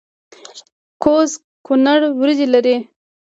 کوز کونړ وریجې لري؟